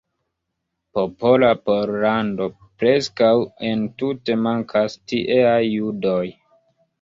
Popola Pollando preskaŭ entute mankas tieaj judoj.